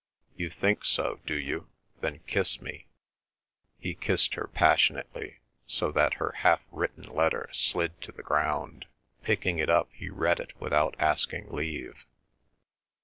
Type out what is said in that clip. "You think so, do you? Then kiss me." He kissed her passionately, so that her half written letter slid to the ground. Picking it up, he read it without asking leave.